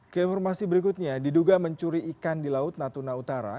keinformasi berikutnya diduga mencuri ikan di laut natuna utara